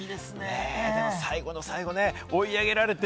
最後の最後、追い上げられて。